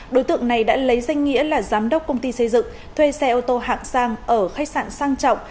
đối tượng này đã lấy danh nghĩa là giám đốc công ty xây dựng thuê xe ô tô hạng sang ở khách sạn sang trọng